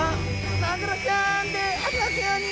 マグロちゃんでありますように！